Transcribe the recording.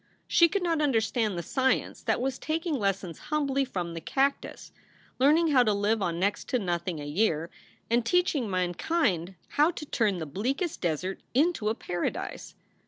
She could not understand the science that was taking lessons humbly from the cactus, learning how to live on next to nothing a year, and teaching mankind how to turn the bleakest desert into a paradise.